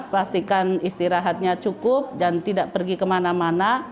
pastikan istirahatnya cukup dan tidak pergi kemana mana